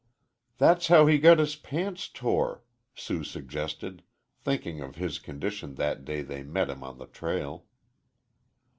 "That's how he got his pants tore," Sue suggested, thinking of his condition that day they met him on the trail.